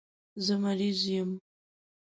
زه مریض یم.